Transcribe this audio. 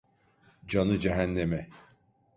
Canı cehenneme.